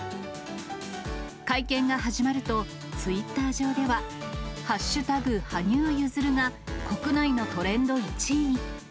会見が始まると、ツイッター上では、＃羽生結弦が国内のトレンド１位に。